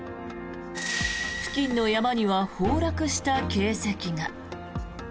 付近の山には崩落した形跡が。